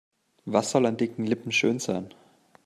Was soll an dicken Lippen schön sein?